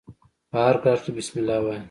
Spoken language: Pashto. په هر کار کښي بسم الله وايه!